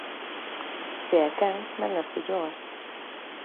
Se é quen, mel nas filloas.